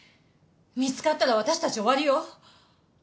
見つかったら私たち終わりよ！